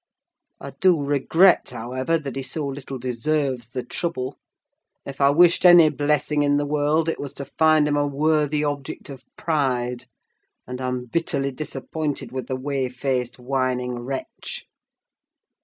I do regret, however, that he so little deserves the trouble: if I wished any blessing in the world, it was to find him a worthy object of pride; and I'm bitterly disappointed with the whey faced, whining wretch!"